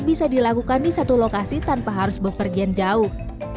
bisa dilakukan di satu lokasi tanpa harus berpergian jauh